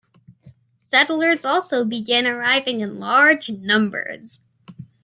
Settlers also began arriving in large numbers.